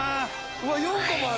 うわっ４個もある！